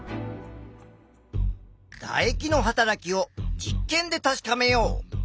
だ液のはたらきを実験で確かめよう！